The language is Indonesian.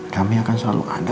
kamu harus percaya